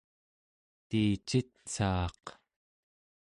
tiicitsaaq